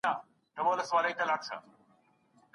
افراطي يا تفريطي چلند ښه نتايج نلري.